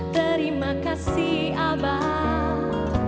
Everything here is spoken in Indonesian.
terima kasih abang